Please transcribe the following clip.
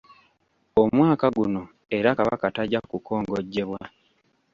Omwaka guno era Kabaka tajja kukongojjebwa.